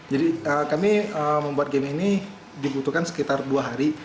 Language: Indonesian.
jadi kami membuat game ini dibutuhkan sekitar dua hari